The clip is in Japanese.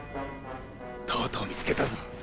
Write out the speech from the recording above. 「とうとう見つけたぞ」。